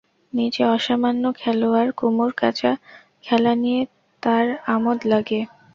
নিজে অসামান্য খেলোয়াড়, কুমুর কাঁচা খেলা নিয়ে তার আমোদ লাগে।